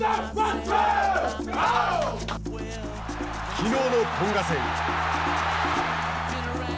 きのうのトンガ戦。